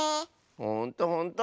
ほんとほんと！